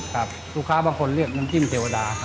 ลูกค้าบางคนเรียกน้ำจิ้มเทวดา